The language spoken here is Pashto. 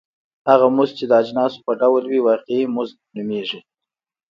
هغه مزد چې د اجناسو په ډول وي واقعي مزد نومېږي